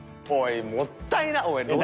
おいもったいない！